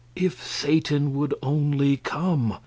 If Satan would only come!